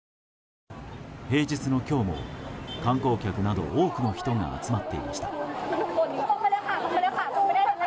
平日の今日も観光客など多くの人が集まっていました。